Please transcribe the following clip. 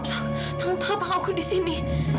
bapak itu ntangkap aku disini